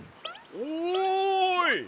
おい！